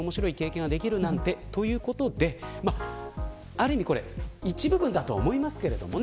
ある意味一部分だと思いますけどね。